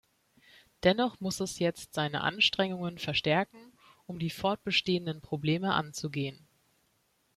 Dennoch muss es jetzt seine Anstrengungen verstärken, um die fortbestehenden Probleme anzugehen.